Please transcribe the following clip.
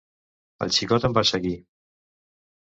El xicot em va seguir.